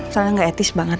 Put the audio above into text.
soalnya enggak etis banget